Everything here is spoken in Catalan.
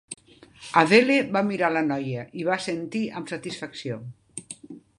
Adele va mirar a la noia i va assentir amb satisfacció.